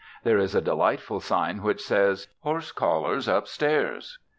There is a delightful sign which says: "Horse collars, up stairs."